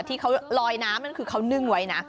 ที่เขาลอยน้ำนั่นคือเขานึ่งไว้นะ